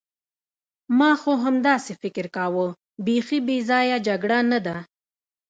ما خو همداسې فکر کاوه، بیخي بې ځایه جګړه نه ده.